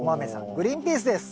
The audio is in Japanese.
グリーンピースです！